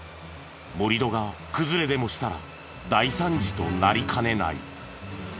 盛り土が崩れでもしたら大惨事となりかねない。